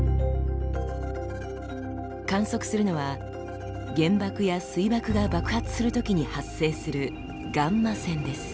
観測するのは原爆や水爆が爆発するときに発生する「ガンマ線」です。